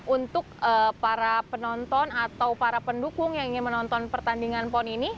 untuk para penonton atau para pendukung yang ingin menonton pertandingan pon ini